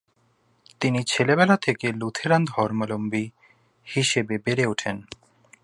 তিনি ছেলেবেলা থেকে লুথেরান ধর্মাবলম্বী হিসেবে বেড়ে ওঠেন।